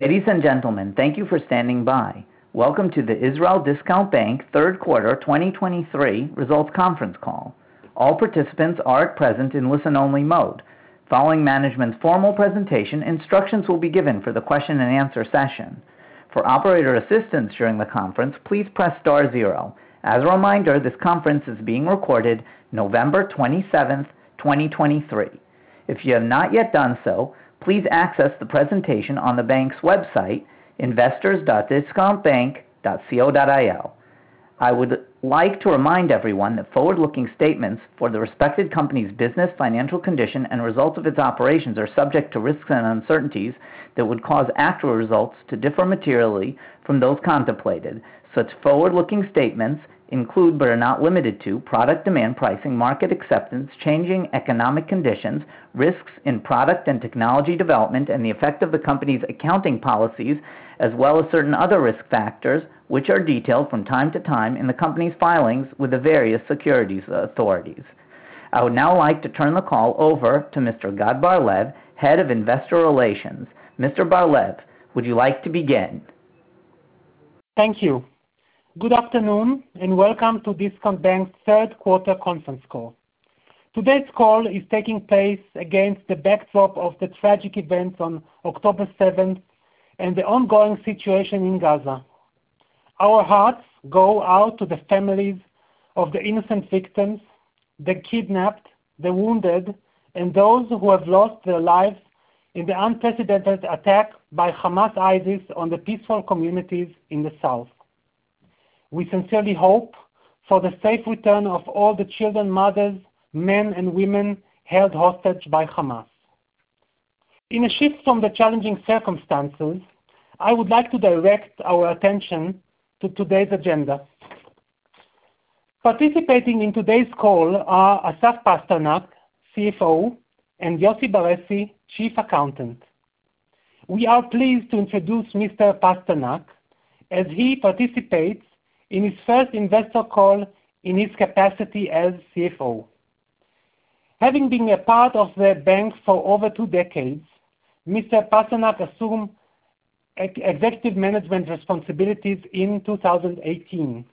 Ladies and gentlemen, thank you for standing by. Welcome to the Israel Discount Bank third quarter 2023 results conference call. All participants are at present in listen-only mode. Following management's formal presentation, instructions will be given for the question and answer session. For operator assistance during the conference, please press star zero. As a reminder, this conference is being recorded November 27th, 2023. If you have not yet done so, please access the presentation on the bank's website, investors.discountbank.co.il. I would like to remind everyone that forward-looking statements for the respected company's business, financial condition, and result of its operations are subject to risks and uncertainties that would cause actual results to differ materially from those contemplated. Such forward-looking statements include, but are not limited to: product demand pricing, market acceptance, changing economic conditions, risks in product and technology development, and the effect of the company's accounting policies, as well as certain other risk factors, which are detailed from time to time in the company's filings with the various securities authorities. I would now like to turn the call over to Mr. Gad Bar-lev, Head of Investor Relations. Mr. Bar-lev, would you like to begin? Thank you. Good afternoon, and welcome to Discount Bank's third quarter conference call. Today's call is taking place against the backdrop of the tragic events on October 7th and the ongoing situation in Gaza. Our hearts go out to the families of the innocent victims, the kidnapped, the wounded, and those who have lost their lives in the unprecedented attack by Hamas ISIS on the peaceful communities in the South. We sincerely hope for the safe return of all the children, mothers, men, and women held hostage by Hamas. In a shift from the challenging circumstances, I would like to direct our attention to today's agenda. Participating in today's call are Asaf Pasternak, CFO, and Yossi Beressi, Chief Accountant. We are pleased to introduce Mr. Pasternak as he participates in his first investor call in his capacity as CFO. Having been a part of the bank for over two decades, Mr. Pasternak assumed executive management responsibilities in 2018.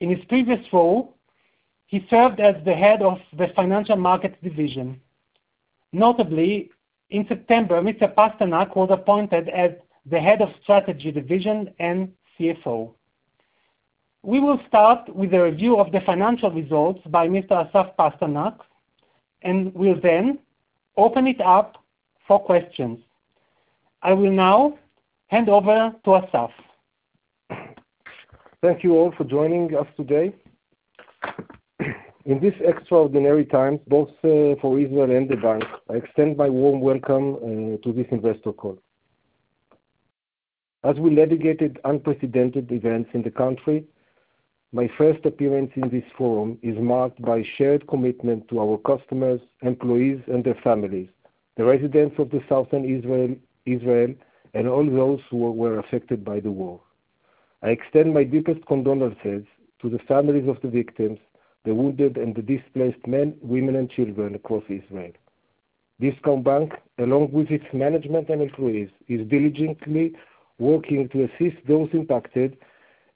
In his previous role, he served as the head of the Financial Markets Division. Notably, in September, Mr. Pasternak was appointed as the Head of Strategy Division and CFO. We will start with a review of the financial results by Mr. Asaf Pasternak, and we'll then open it up for questions. I will now hand over to Asaf. Thank you all for joining us today. In this extraordinary time, both, for Israel and the bank, I extend my warm welcome to this investor call. As we navigated unprecedented events in the country, my first appearance in this forum is marked by shared commitment to our customers, employees, and their families, the residents of the southern Israel, Israel, and all those who were affected by the war. I extend my deepest condolences to the families of the victims, the wounded, and the displaced men, women, and children across Israel. Discount Bank, along with its management and employees, is diligently working to assist those impacted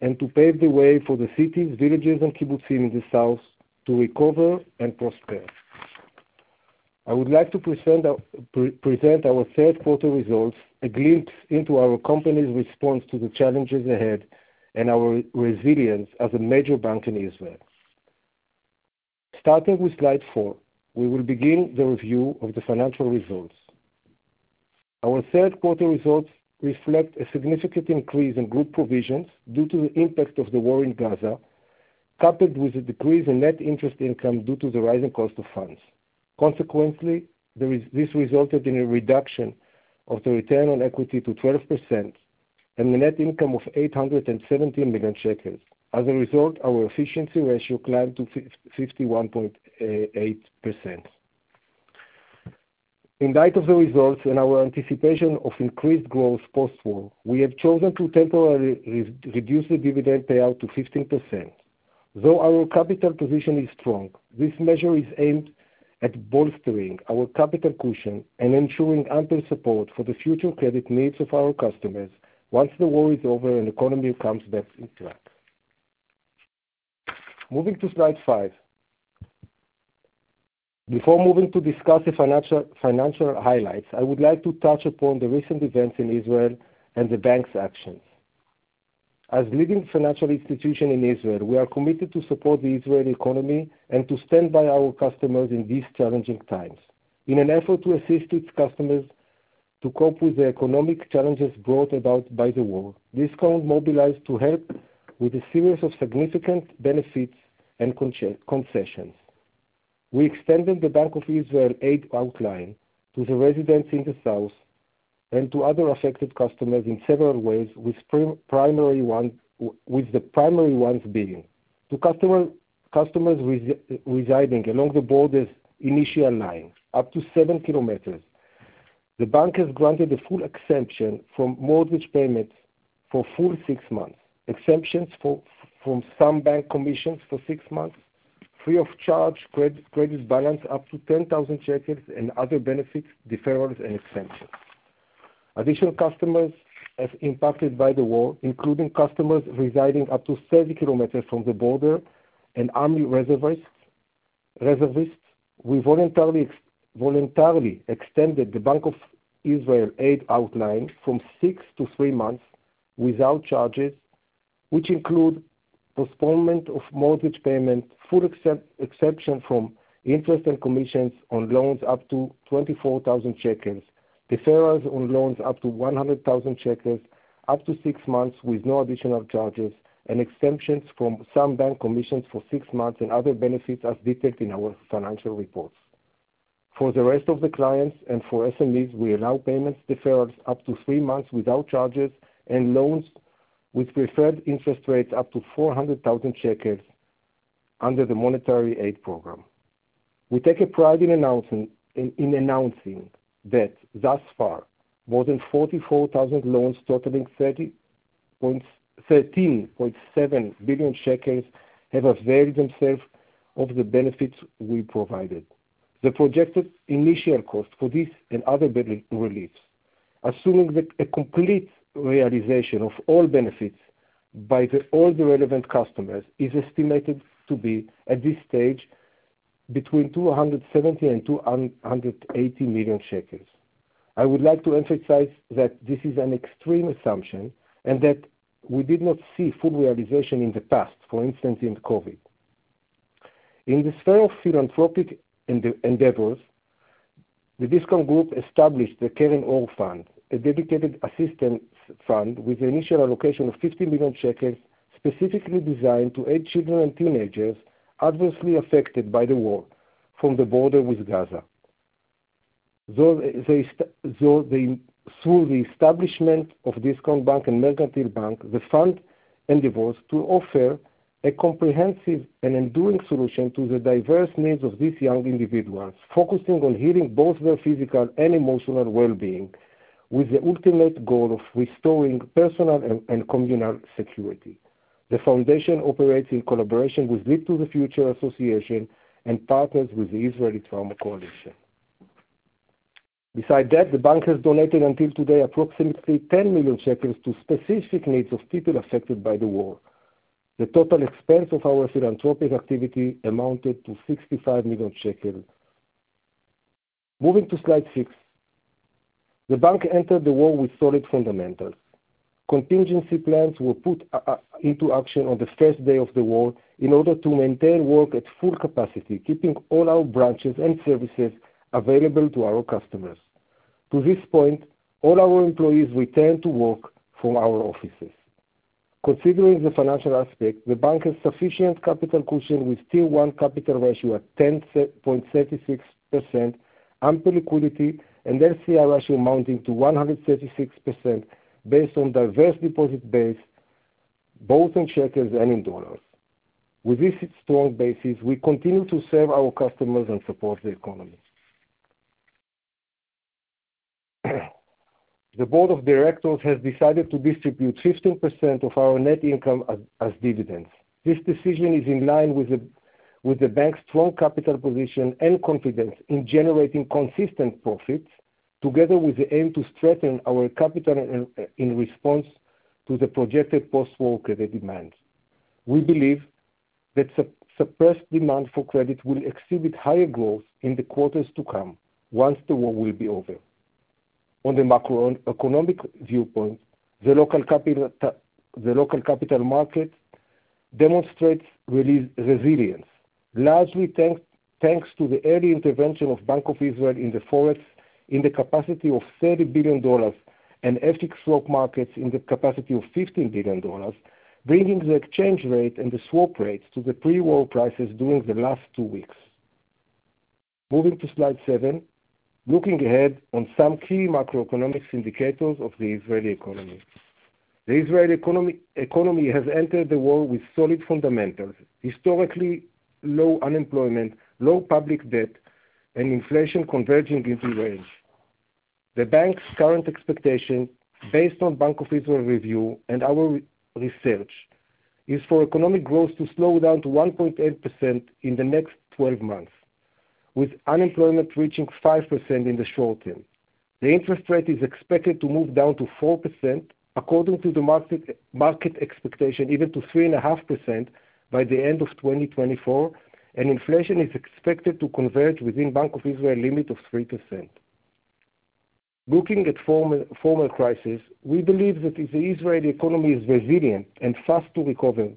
and to pave the way for the cities, villages, and kibbutzim in the South to recover and prosper. I would like to present our present our third quarter results, a glimpse into our company's response to the challenges ahead and our resilience as a major bank in Israel. Starting with slide 4, we will begin the review of the financial results. Our third quarter results reflect a significant increase in group provisions due to the impact of the war in Gaza, coupled with a decrease in net interest income due to the rising cost of funds. Consequently, this resulted in a reduction of the return on equity to 12% and a net income of 817 million shekels. As a result, our efficiency ratio climbed to 51.8%. In light of the results and our anticipation of increased growth post-war, we have chosen to temporarily reduce the dividend payout to 15%. Though our capital position is strong, this measure is aimed at bolstering our capital cushion and ensuring ample support for the future credit needs of our customers once the war is over and the economy comes back into action. Moving to slide 5. Before moving to discuss the financial, financial highlights, I would like to touch upon the recent events in Israel and the bank's actions. As a leading financial institution in Israel, we are committed to support the Israeli economy and to stand by our customers in these challenging times. In an effort to assist its customers to cope with the economic challenges brought about by the war, Discount mobilized to help with a series of significant benefits and concessions. We extended the Bank of Israel aid outline to the residents in the South and to other affected customers in several ways, with the primary ones being: to customers residing along the borders initial line, up to 7 kilometers, the bank has granted a full exemption from mortgage payments for full 6 months, exemptions from some bank commissions for 6 months, free of charge credit balance up to 10,000 shekels and other benefits, deferrals, and extensions. Additional customers as impacted by the war, including customers residing up to 30 kilometers from the border and army reservists. We voluntarily extended the Bank of Israel aid outline from 6 to 3 months without charges, which include postponement of mortgage payments, full exemption from interest and commissions on loans up to 24,000 shekels, deferrals on loans up to 100,000 shekels, up to 6 months with no additional charges, and exemptions from some bank commissions for 6 months and other benefits as detected in our financial reports. For the rest of the clients and for SMEs, we allow payments deferrals up to 3 months without charges, and loans with preferred interest rates up to 400,000 shekels under the monetary aid program. We take pride in announcing that thus far, more than 44,000 loans totaling 13.7 billion shekels have availed themselves of the benefits we provided. The projected initial cost for this and other benefit reliefs, assuming that a complete realization of all benefits by all the relevant customers, is estimated to be, at this stage, between 270 million and 280 million shekels. I would like to emphasize that this is an extreme assumption, and that we did not see full realization in the past, for instance, in COVID. In the sphere of philanthropic endeavors, the Discount Group established the Keren Or Fund, a dedicated assistance fund with an initial allocation of 50 million shekels, specifically designed to aid children and teenagers adversely affected by the war from the border with Gaza. Though they, through the establishment of Discount Bank and Mercantile Bank, the fund endeavors to offer a comprehensive and enduring solution to the diverse needs of these young individuals, focusing on healing both their physical and emotional well-being, with the ultimate goal of restoring personal and communal security. The foundation operates in collaboration with Leap to the Future Association and partners with the Israeli Trauma Coalition. Besides that, the bank has donated until today, approximately 10 million shekels to specific needs of people affected by the war. The total expense of our philanthropic activity amounted to 65 million shekels. Moving to slide 6. The bank entered the war with solid fundamentals. Contingency plans were put into action on the first day of the war in order to maintain work at full capacity, keeping all our branches and services available to our customers. To this point, all our employees returned to work from our offices. Considering the financial aspect, the bank has sufficient capital cushion, with Tier 1 capital ratio at 10.36%, ample liquidity, and LCR ratio amounting to 136% based on diverse deposit base, both in shekels and in dollars. With this strong basis, we continue to serve our customers and support the economy. The board of directors has decided to distribute 15% of our net income as dividends. This decision is in line with the bank's strong capital position and confidence in generating consistent profits, together with the aim to strengthen our capital in response to the projected post-war credit demands. We believe that suppressed demand for credit will exhibit higher growth in the quarters to come once the war will be over. On the macroeconomic viewpoint, the local capital market demonstrates resilience, largely thanks to the early intervention of Bank of Israel in the forex, in the capacity of $30 billion and FX swap markets in the capacity of $15 billion, bringing the exchange rate and the swap rates to the pre-war prices during the last 2 weeks. Moving to slide 7. Looking ahead on some key macroeconomic indicators of the Israeli economy. The Israeli economy has entered the war with solid fundamentals, historically low unemployment, low public debt, and inflation converging into range. The bank's current expectation, based on Bank of Israel review and our research, is for economic growth to slow down to 1.8% in the next 12 months, with unemployment reaching 5% in the short term. The interest rate is expected to move down to 4%, according to the market expectation, even to 3.5% by the end of 2024, and inflation is expected to converge within Bank of Israel limit of 3%. Looking at former crisis, we believe that the Israeli economy is resilient and fast to recover,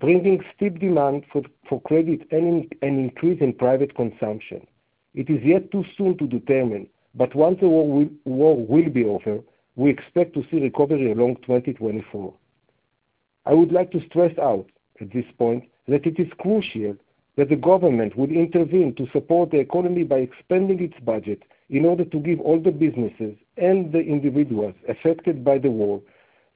bringing steep demand for credit and increase in private consumption. It is yet too soon to determine, but once the war will be over, we expect to see recovery along 2024. I would like to stress out at this point that it is crucial that the government would intervene to support the economy by expanding its budget in order to give all the businesses and the individuals affected by the war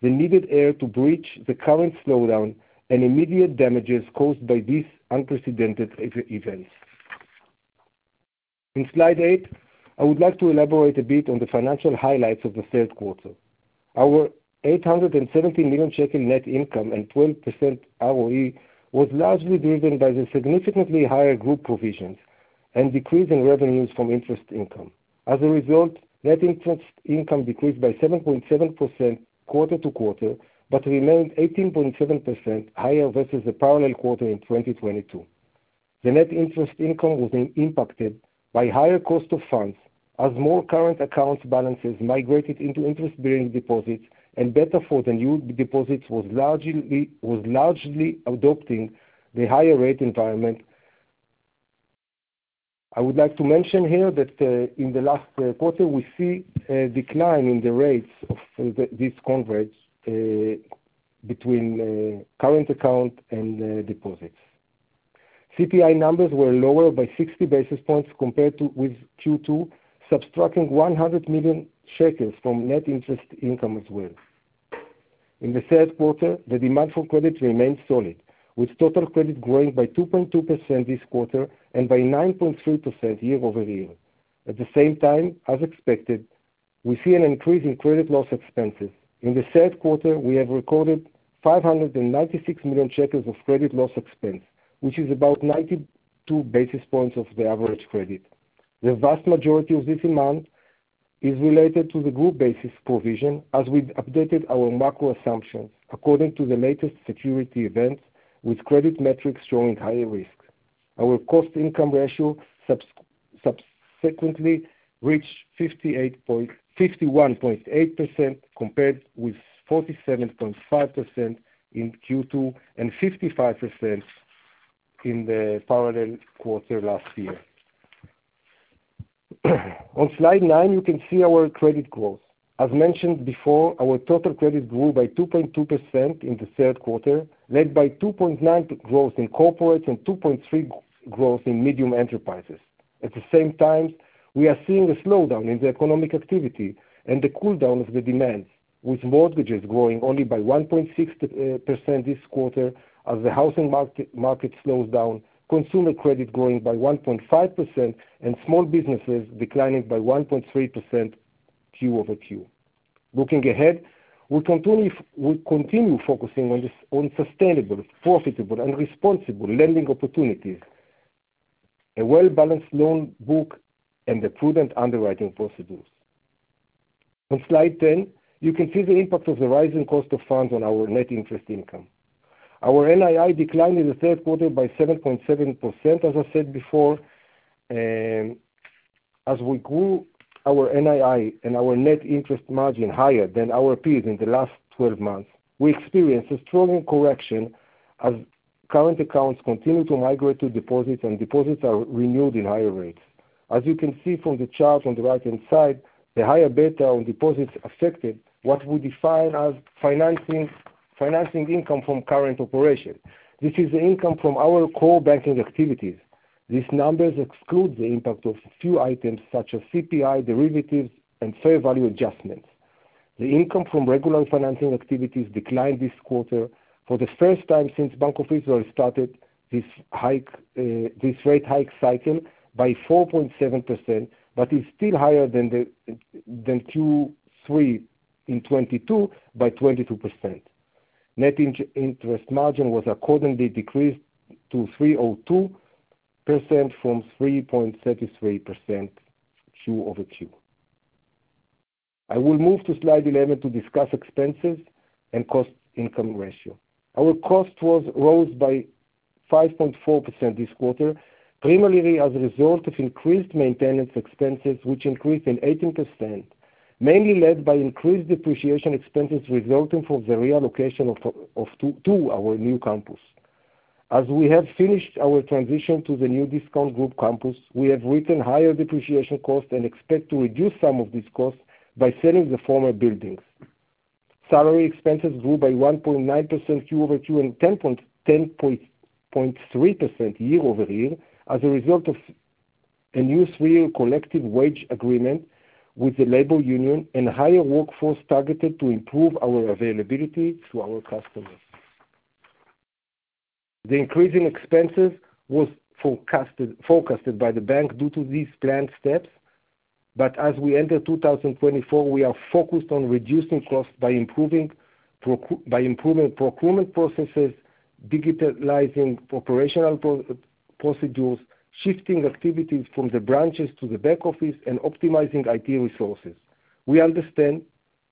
the needed air to bridge the current slowdown and immediate damages caused by these unprecedented events. In slide eight, I would like to elaborate a bit on the financial highlights of the third quarter. Our 870 million shekel net income and 12% ROE was largely driven by the significantly higher group provisions and decrease in revenues from interest income. As a result, net interest income decreased by 7.7% quarter-over-quarter, but remained 18.7% higher versus the parallel quarter in 2022. The net interest income was impacted by higher cost of funds, as more current account balances migrated into interest-bearing deposits, and beta for the new deposits was largely adopting the higher rate environment. I would like to mention here that, in the last quarter, we see a decline in the rates of the convergence between current account and deposits. CPI numbers were lower by 60 basis points compared to Q2, subtracting 100 million shekels from net interest income as well. In the third quarter, the demand for credit remained solid, with total credit growing by 2.2% this quarter and by 9.3% year-over-year. At the same time, as expected, we see an increase in credit loss expenses. In the third quarter, we have recorded 596 million shekels of credit loss expense, which is about 92 basis points of the average credit. The vast majority of this amount is related to the group-basis provision, as we've updated our macro assumptions according to the latest security events, with credit metrics showing higher risk. Our cost income ratio subsequently reached 51.8%, compared with 47.5% in Q2, and 55% in the parallel quarter last year. On slide 9, you can see our credit growth. As mentioned before, our total credit grew by 2.2% in the third quarter, led by 2.9% growth in corporates and 2.3% growth in medium enterprises. At the same time, we are seeing a slowdown in the economic activity and the cooldown of the demand, with mortgages growing only by 1.6% this quarter as the housing market slows down, consumer credit growing by 1.5%, and small businesses declining by 1.3% Q-over-Q. Looking ahead, we'll continue focusing on the sustainable, profitable and responsible lending opportunities, a well-balanced loan book, and the prudent underwriting procedures. On slide 10, you can see the impact of the rising cost of funds on our net interest income. Our NII declined in the third quarter by 7.7%, as I said before, as we grew our NII and our net interest margin higher than our peers in the last 12 months, we experienced a strong correction as current accounts continue to migrate to deposits, and deposits are renewed in higher rates. As you can see from the chart on the right-hand side, the higher beta on deposits affected what we define as financing, financing income from current operations. This is the income from our core banking activities. These numbers exclude the impact of a few items, such as CPI, derivatives, and fair value adjustments. The income from regular financing activities declined this quarter for the first time since Bank of Israel started this hike, this rate hike cycle by 4.7%, but is still higher than Q3 in 2022 by 22%. Net interest margin was accordingly decreased to 3.2% from 3.33% quarter-over-quarter. I will move to slide 11 to discuss expenses and cost income ratio. Our cost was rose by 5.4% this quarter, primarily as a result of increased maintenance expenses, which increased in 18%, mainly led by increased depreciation expenses resulting from the relocation of to our new campus. As we have finished our transition to the new Discount Group campus, we have written higher depreciation costs and expect to reduce some of these costs by selling the former buildings. Salary expenses grew by 1.9% Q-over-Q and 10.3% year-over-year as a result of a new three-year collective wage agreement with the labor union and higher workforce targeted to improve our availability to our customers. The increase in expenses was forecasted by the bank due to these planned steps, but as we enter 2024, we are focused on reducing costs by improving procurement processes, digitalizing operational procedures, shifting activities from the branches to the back office, and optimizing IT resources. We understand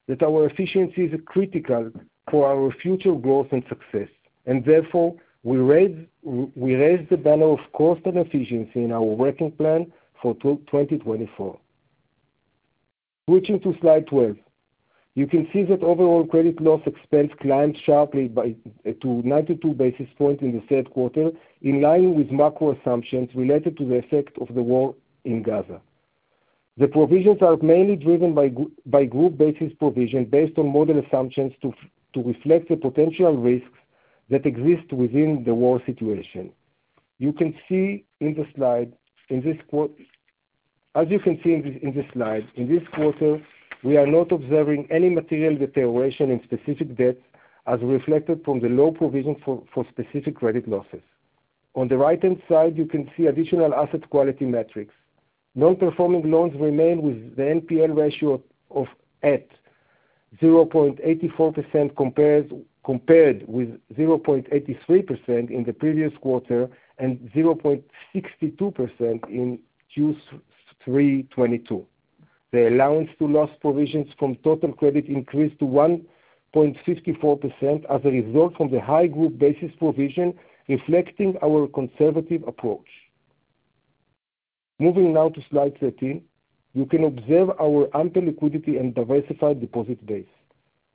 that our efficiency is critical for our future growth and success, and therefore we raise the banner of cost and efficiency in our working plan for 2024. Switching to slide 12. You can see that overall credit loss expense climbed sharply to 92 basis points in the third quarter, in line with macro assumptions related to the effect of the war in Gaza. The provisions are mainly driven by group-basis provision, based on model assumptions to reflect the potential risks that exist within the war situation. You can see in the slide, as you can see in this, in this slide, in this quarter, we are not observing any material deterioration in specific debt, as reflected from the low provision for specific credit losses. On the right-hand side, you can see additional asset quality metrics. Non-performing loans remain with the NPL ratio of 0.84%, compared with 0.83% in the previous quarter and 0.62% in Q3 2022. The allowance to loss provisions from total credit increased to 1.54% as a result from the high group basis provision, reflecting our conservative approach. Moving now to slide 13, you can observe our ample liquidity and diversified deposit base.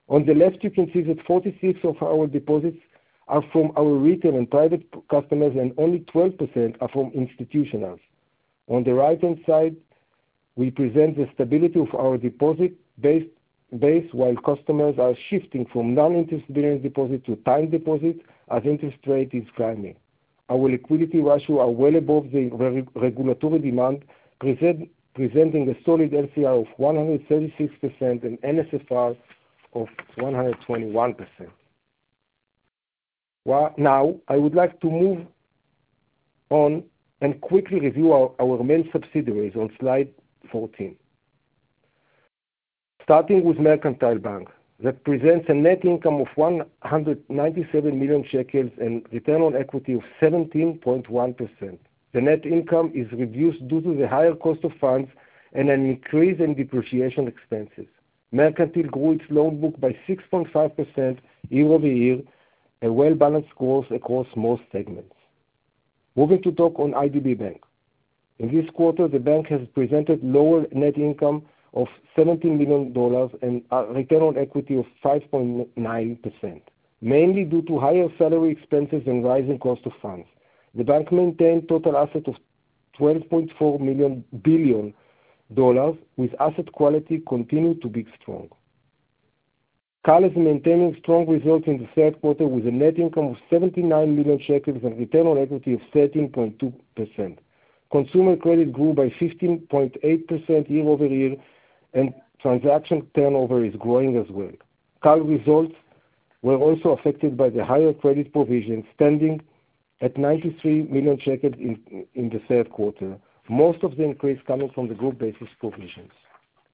On the left, you can see that 46% of our deposits are from our retail and private customers, and only 12% are from institutionals. On the right-hand side, we present the stability of our deposit base, while customers are shifting from non-interest-bearing deposits to time deposits as interest rate is climbing. Our liquidity ratio are well above the regulatory demand, presenting a solid LCR of 136% and NSFR of 121%. Well, now, I would like to move on and quickly review our main subsidiaries on slide 14. Starting with Mercantile Bank, that presents a net income of 197 million shekels and return on equity of 17.1%. The net income is reduced due to the higher cost of funds and an increase in depreciation expenses. Mercantile grew its loan book by 6.5% year-over-year, a well-balanced growth across most segments. Moving to talk on IDB Bank. In this quarter, the bank has presented lower net income of $17 million and a return on equity of 5.9%, mainly due to higher salary expenses and rising cost of funds. The bank maintained total assets of $12.4 billion, with asset quality continuing to be strong. Cal is maintaining strong results in the third quarter, with a net income of 79 million shekels and return on equity of 13.2%. Consumer credit grew by 15.8% year-over-year, and transaction turnover is growing as well. Cal results were also affected by the higher credit provision, standing at 93 million shekels in the third quarter, most of the increase coming from the group basis provisions.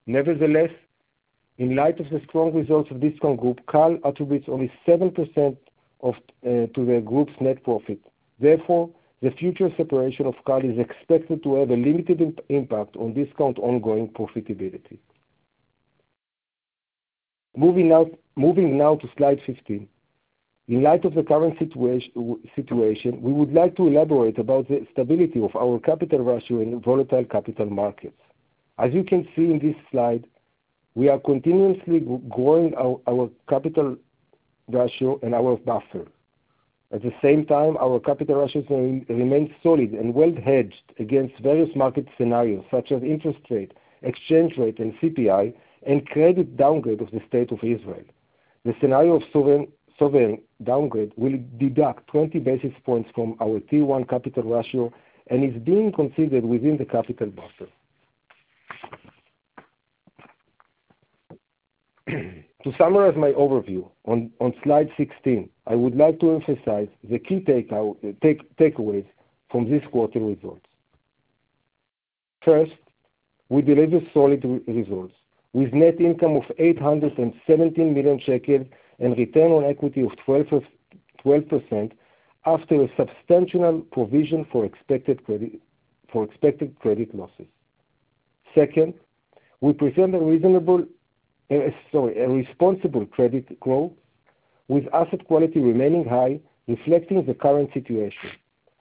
Nevertheless, in light of the strong results of Discount Group, Cal attributes only 7% of to the group's net profit. Therefore, the future separation of Cal is expected to have a limited impact on Discount ongoing profitability. Moving now to slide 15. In light of the current situation, we would like to elaborate about the stability of our capital ratio in volatile capital markets. As you can see in this slide, we are continuously growing our capital ratio and our buffer. At the same time, our capital ratios remain solid and well hedged against various market scenarios, such as interest rate, exchange rate, and CPI, and credit downgrade of the State of Israel. The scenario of sovereign downgrade will deduct 20 basis points from our Tier 1 capital ratio and is being considered within the capital buffer. To summarize my overview on slide 16, I would like to emphasize the key takeaways from this quarter results. First, we delivered solid results, with net income of 817 million shekels and return on equity of 12% after a substantial provision for expected credit losses. Second, we present a responsible credit growth with asset quality remaining high, reflecting the current situation.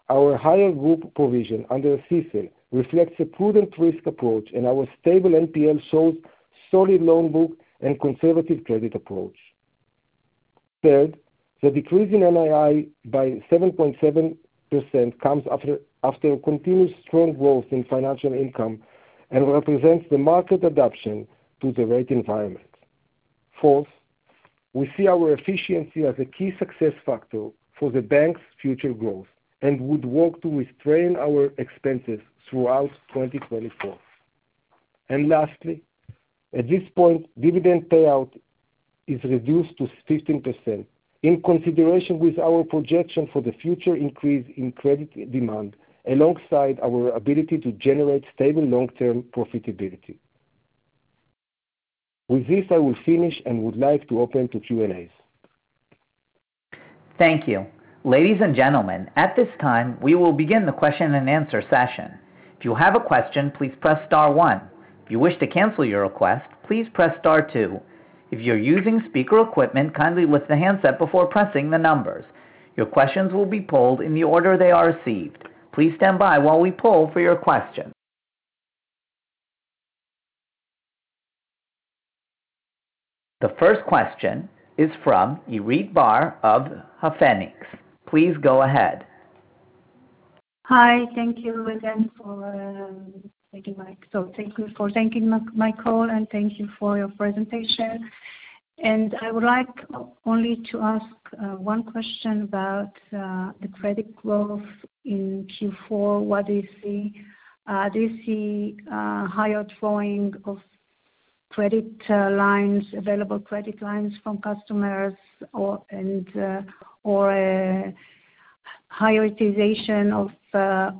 Our higher group provision under CECL reflects a prudent risk approach, and our stable NPL shows solid loan book and conservative credit approach. Third, the decrease in NII by 7.7% comes after continuous strong growth in financial income and represents the market adaption to the rate environment. Fourth, we see our efficiency as a key success factor for the bank's future growth and would work to restrain our expenses throughout 2024. And lastly, at this point, dividend payout is reduced to 15% in consideration with our projection for the future increase in credit demand, alongside our ability to generate stable long-term profitability. With this, I will finish and would like to open to Q&As. Thank you. Ladies and gentlemen, at this time, we will begin the question-and-answer session. If you have a question, please press star one. If you wish to cancel your request, please press star two. If you're using speaker equipment, kindly lift the handset before pressing the numbers. Your questions will be polled in the order they are received. Please stand by while we poll for your question. The first question is from Irit Bar of [H&A Finance. Please go ahead. Hi. Thank you again for taking my call, and thank you for your presentation. I would like only to ask one question about the credit growth in Q4. What do you see? Do you see higher drawing of credit lines, available credit lines from customers or, and, or higher utilization of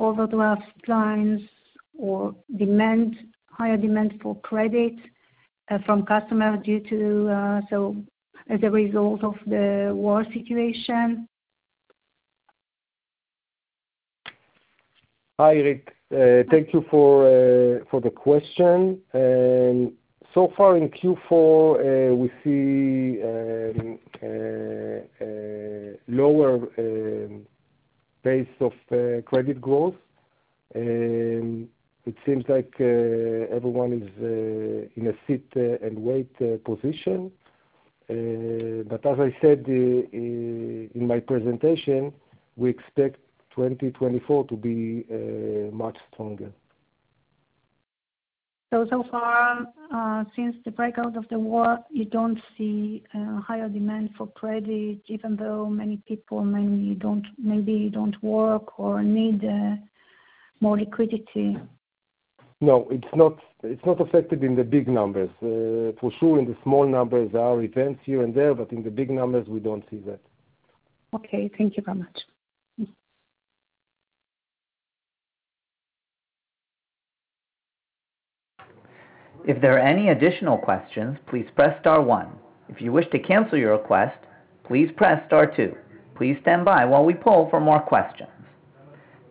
overdraft lines or demand, higher demand for credit from customers due to so as a result of the war situation? Hi, Irit. Thank you for the question. So far in Q4, we see a lower pace of credit growth, and it seems like everyone is in a sit and wait position. As I said in my presentation, we expect 2024 to be much stronger. So, so far, since the breakout of the war, you don't see higher demand for credit, even though many people, maybe don't, maybe don't work or need more liquidity? No, it's not, it's not affected in the big numbers. For sure, in the small numbers, there are events here and there, but in the big numbers, we don't see that. Okay. Thank you very much. If there are any additional questions, please press star one. If you wish to cancel your request, please press star two. Please stand by while we poll for more questions.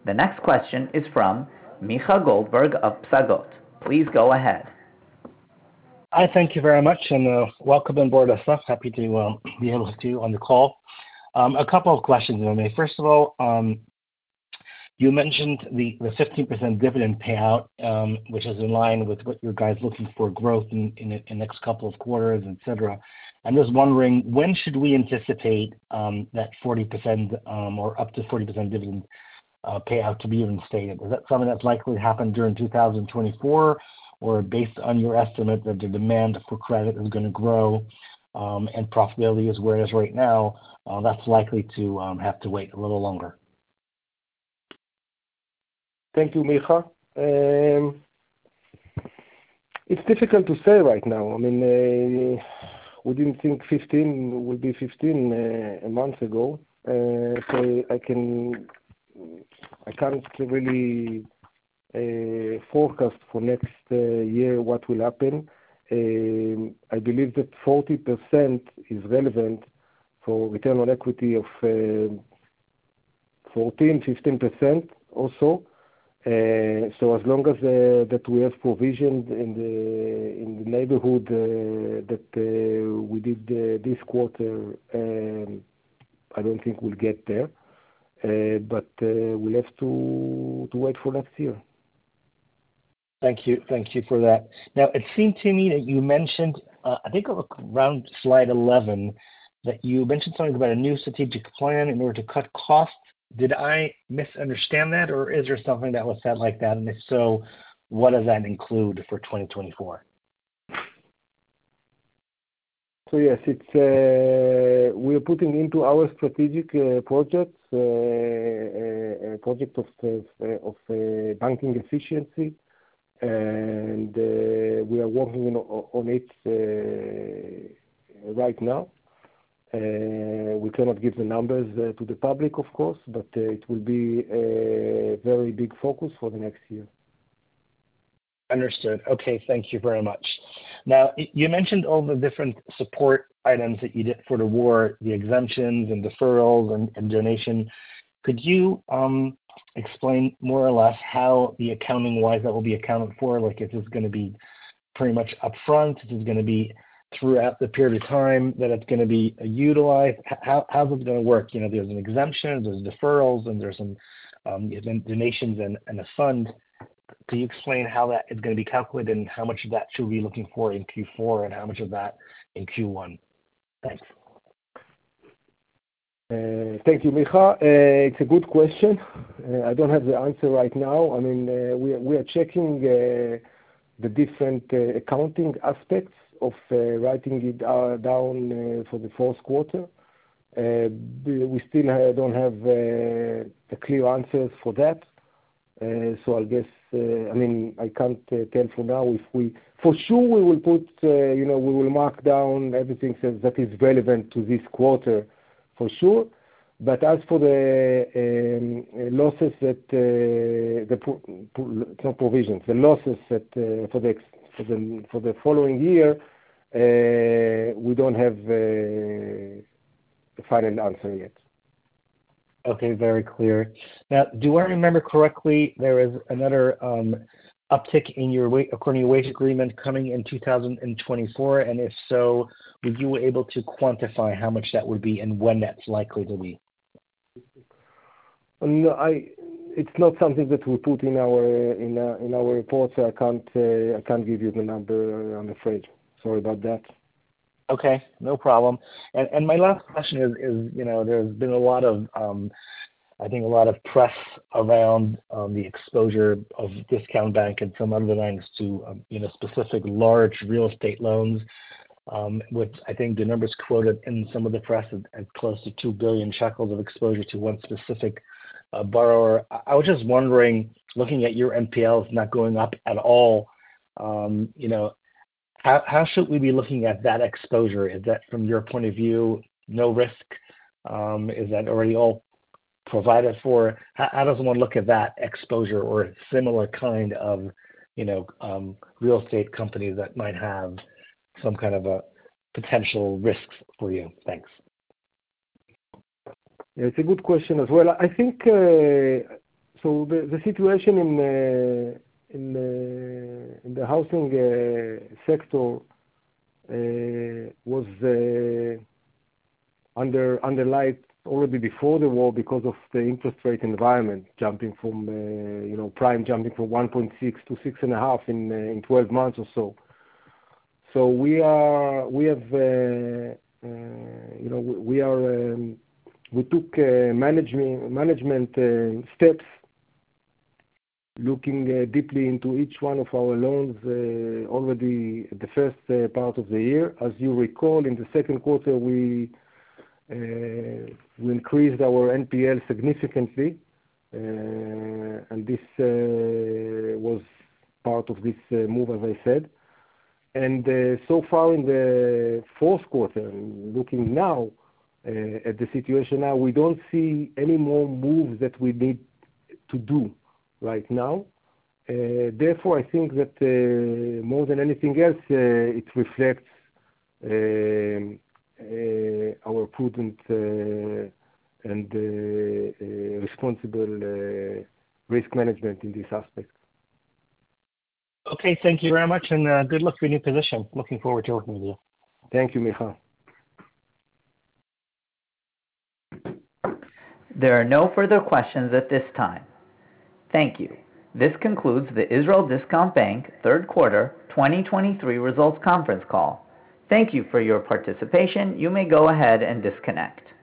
The next question is from Micha Goldberg of Psagot. Please go ahead. Hi, thank you very much, and, welcome on board, Asaf. Happy to, be able to on the call. A couple of questions. First of all, you mentioned the, the 15% dividend payout, which is in line with what you guys looking for growth in, in the, in the next couple of quarters, et cetera. I'm just wondering, when should we anticipate, that 40%, or up to 40% dividend, payout to be reinstated? Is that something that's likely to happen during 2024, or based on your estimate, that the demand for credit is gonna grow, and profitability is whereas right now, that's likely to, have to wait a little longer? Thank you, Micha. It's difficult to say right now. I mean, we didn't think 15% would be 15% a month ago. So I can't really forecast for next year what will happen. I believe that 40% is relevant for return on equity of 14%, 15% also. So as long as that we have provisioned in the neighborhood that we did this quarter, I don't think we'll get there, but we'll have to wait for next year. Thank you. Thank you for that. Now, it seemed to me that you mentioned, I think around slide 11, that you mentioned something about a new strategic plan in order to cut costs. Did I misunderstand that, or is there something that was said like that? And if so, what does that include for 2024? So yes, it's. We're putting into our strategic projects a project of banking efficiency, and we are working on it right now. We cannot give the numbers to the public, of course, but it will be a very big focus for the next year. Understood. Okay. Thank you very much. Now, you mentioned all the different support items that you did for the war, the exemptions and deferrals and, and donation. Could you explain more or less how the accounting-wise that will be accounted for? Like, if it's gonna be pretty much upfront, if it's gonna be throughout the period of time, that it's gonna be utilized. How, how is it gonna work? You know, there's an exemption, there's deferrals, and there's some donations and, and a fund. Can you explain how that is gonna be calculated and how much of that should we be looking for in Q4 and how much of that in Q1? Thanks. Thank you, Micha. It's a good question. I don't have the answer right now. I mean, we are checking the different accounting aspects of writing it down for the fourth quarter. We still don't have the clear answers for that. So I'll guess, I mean, I can't tell for now if we, for sure, we will put, you know, we will mark down everything that is relevant to this quarter, for sure. But as for the losses that the provisions, the losses that for the next, for the following year, we don't have a final answer yet. Okay. Very clear. Now, do I remember correctly, there is another, uptick in your wage, according to wage agreement, coming in 2024? And if so, would you be able to quantify how much that would be and when that's likely to be? No. It's not something that we put in our reports. I can't give you the number, I'm afraid. Sorry about that. Okay, no problem. My last question is, you know, there's been a lot of, I think a lot of press around the exposure of Discount Bank and some other banks to, you know, specific large real estate loans, which I think the numbers quoted in some of the press as close to 2 billion shekels of exposure to one specific borrower. I was just wondering, looking at your NPLs not going up at all, you know, how should we be looking at that exposure? Is that from your point of view no risk? Is that already all provided for? How does one look at that exposure or similar kind of, you know, real estate company that might have some kind of a potential risks for you? Thanks. It's a good question as well. I think, so the situation in the housing sector was under light already before the war because of the interest rate environment, jumping from, you know, prime, jumping from 1.6 to 6.5 in 12 months or so. So we are, we have, you know, we, we are, we took management steps looking deeply into each one of our loans already the first part of the year. As you recall, in the second quarter, we increased our NPL significantly, and this was part of this move, as I said. So far in the fourth quarter, looking now at the situation now, we don't see any more moves that we need to do right now. Therefore, I think that, more than anything else, it reflects our prudent and responsible risk management in this aspect. Okay. Thank you very much, and good luck with your new position. Looking forward to working with you. Thank you, Micha. There are no further questions at this time. Thank you. This concludes the Israel Discount Bank third quarter, 2023 results conference call. Thank you for your participation. You may go ahead and disconnect.